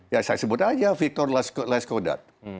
saya sebut aja victor lascaudat